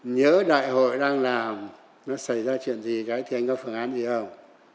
nhớ đại hội đang làm nó xảy ra chuyện gì cái thì anh có phương án gì không